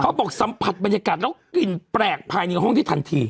บอกสัมผัสบรรยากาศแล้วกลิ่นแปลกภายในห้องที่ทันที